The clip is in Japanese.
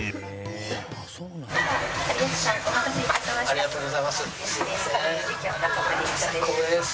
ありがとうございます。